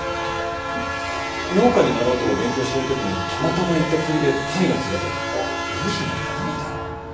農家になろうと勉強してるときにたまたま行った釣りでタイが釣れて漁師にはならないだろ？